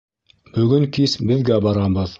Бөгөн кис беҙгә барабыҙ.